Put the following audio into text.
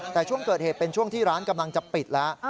แต่ช่วงเกิดเหตุเป็นช่วงที่ร้านกำลังจะปิดแล้ว